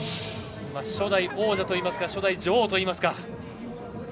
初代王者と言いますか初代女王と言いますか。